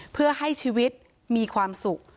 เพื่อให้ชีวิตมีความสุข